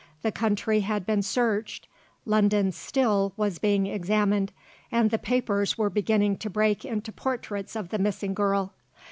The country had been searched; London, still, was being examined, and the papers were beginning to break into portraits of the missing girl.